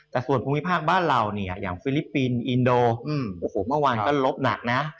แต่ส่วนภูมิภาคบ้านเราเนี่ยอย่างฟิลิปปินส์อินโดโอ้โหเมื่อวานก็ลบหนักนะ